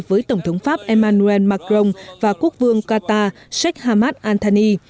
với tổng thống pháp emmanuel macron và quốc vương qatar sheikh hamad al thani